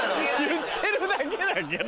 言ってるだけだけど。